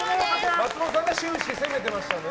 松本さんが終始攻めていたのでね。